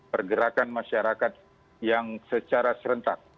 pergerakan masyarakat yang secara serentak